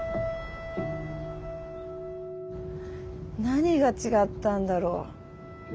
何が違ったんだろう。